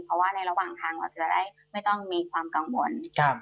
เพราะว่าในระหว่างทางเราจะได้ไม่ต้องมีความกังวล